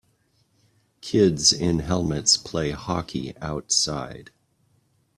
Kids in helmets play hockey outside.